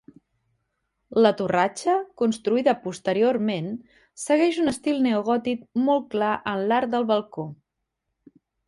La torratxa, construïda posteriorment, segueix un estil neogòtic molt clar en l'arc del balcó.